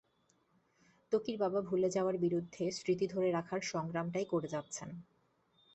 ত্বকীর বাবা ভুলে যাওয়ার বিরুদ্ধে স্মৃতি ধরে রাখার সংগ্রামটাই করে যাচ্ছেন।